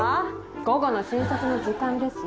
午後の診察の時間ですよ。